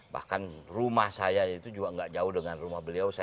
bahkan rumah saya itu juga nggak jauh dengan rumah beliau